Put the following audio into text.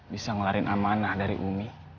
bisa ngeluarin amanah dari umi